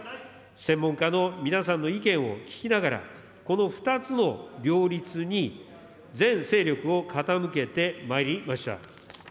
専門家の皆さんの意見を聞きながら、この２つの両立に全精力を傾けてまいりました。